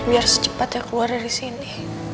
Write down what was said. biar secepatnya keluar dari sini